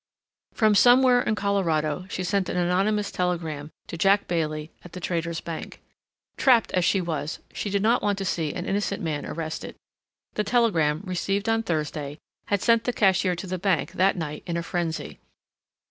From somewhere in Colorado she sent an anonymous telegram to Jack Bailey at the Traders' Bank. Trapped as she was, she did not want to see an innocent man arrested. The telegram, received on Thursday, had sent the cashier to the bank that night in a frenzy.